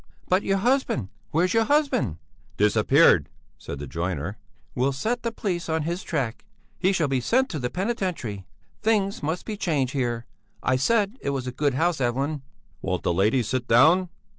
"But your husband? Where's your husband?" "Disappeared!" said the joiner. "We'll set the police on his track! He shall be sent to the Penitentiary. Things must be changed here! I said it was a good house, Evelyn." "Won't the ladies sit down?"